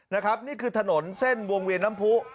นี่คือถนนเส้นวงเวียนน้ำผู้